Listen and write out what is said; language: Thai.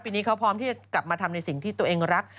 นี้เขาพร้อมที่จะกลับมาทำในสิ่งที่ตัวเองรัก